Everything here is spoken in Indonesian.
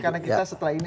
karena kita setelah ini